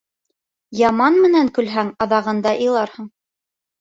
Яман менән көлһәң, аҙағында иларһың.